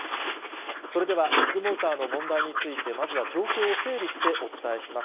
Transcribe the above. それでは、ビッグモーターの問題について、まずは状況を整理してお伝えします。